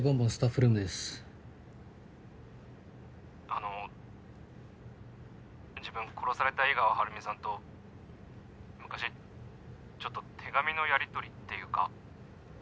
あの自分殺された井川晴美さんと昔ちょっと手紙のやり取りっていうか。